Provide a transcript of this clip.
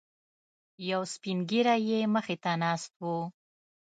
یو سپینږیری یې مخې ته ناست و.